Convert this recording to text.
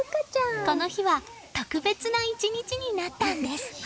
この日は特別な１日になったんです。